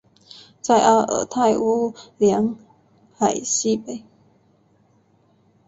在阿尔泰乌梁海西北。